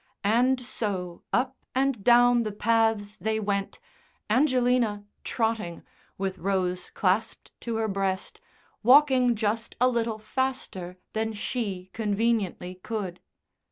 And so up and down the paths they went, Angelina trotting, with Rose clasped to her breast, walking just a little faster than she conveniently could.